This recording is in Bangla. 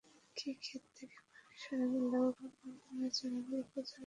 কিছু খেত থেকে পানি সরে গেলেও রোপা আমনের চারাগুলো পচে গেছে।